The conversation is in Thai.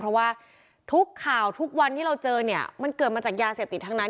เพราะว่าทุกข่าวทุกวันที่เราเจอเนี่ยมันเกิดมาจากยาเสพติดทั้งนั้น